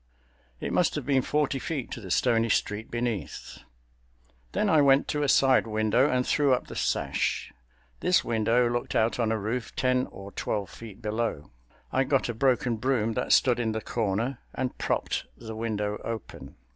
It must have been forty feet to the stony street beneath. Then I went to a side window and threw up the sash. This window looked out on a roof ten or twelve feet below. I got a broken broom that stood in the corner and propped the window open.